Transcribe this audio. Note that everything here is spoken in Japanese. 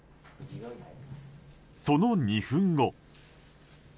その２分後